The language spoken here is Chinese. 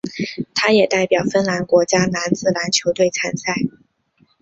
他也代表芬兰国家男子篮球队参赛。